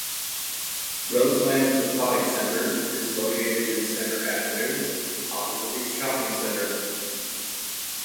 Roselands Aquatic Centre is located in Centre Avenue, opposite the shopping centre.